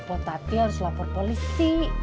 buat tati harus lapor polisi